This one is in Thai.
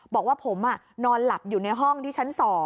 บอกว่าผมนอนหลับอยู่ในห้องที่ชั้น๒